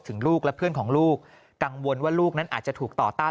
ถึงลูกและเพื่อนของลูกกังวลว่าลูกนั้นอาจจะถูกต่อต้าน